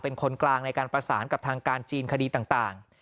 เป็นคนกลางในการประสานกับทางการจีนคดีต่าง